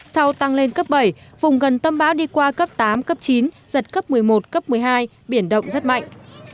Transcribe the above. sau tăng lên cấp bảy vùng gần tâm bão đi qua cấp tám cấp chín giật cấp một mươi một cấp một mươi hai biển động rất mạnh